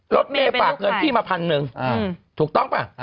รถเมย์ฝากเงินพี่มาพันหนึ่งถูกต้องป่ะ